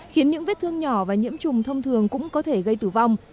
khiến những vết thương nhỏ và nhiễm trùng thông thường cũng có thể gây tử vong